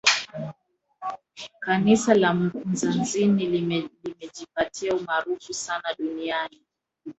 Kanisa la mkunazini limejipatia umaarufu sana Duniani